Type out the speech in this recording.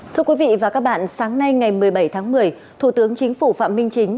thưa quý vị và các bạn sáng nay ngày một mươi bảy tháng một mươi thủ tướng chính phủ phạm minh chính